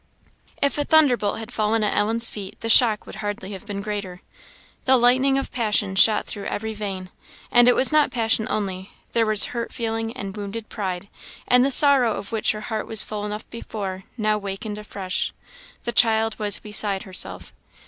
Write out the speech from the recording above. If a thunderbolt had fallen at Ellen's feet, the shock would hardly have been greater. The lightning of passion shot through every vein. And it was not passion only: there was hurt feeling and wounded pride; and the sorrow of which her heart was full enough before, now wakened afresh. The child was beside herself.